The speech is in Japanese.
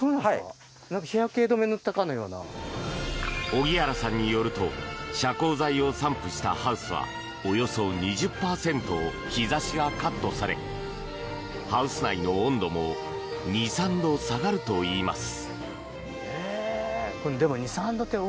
萩原さんによると遮光剤を散布したハウスはおよそ２０％日差しがカットされハウス内の温度も２３度下がるといいます。